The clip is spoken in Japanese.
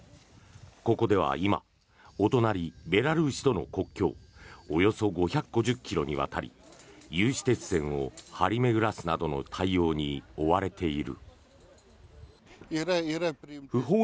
ここでは今お隣ベラルーシとの国境およそ５５０ｋｍにわたり有刺鉄線を張り巡らすなどの対応に追われている。